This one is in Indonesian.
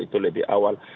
itu lebih awal